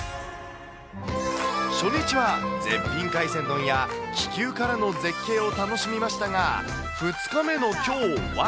初日は、絶品海鮮丼や、気球からの絶景を楽しみましたが、２日目のきょうは。